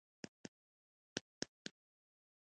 باکټریايي حجره ځان وړوکی کوي.